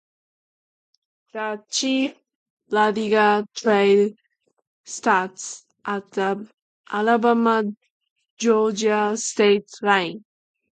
The Chief Ladiga Trail starts at the Alabama-Georgia state line.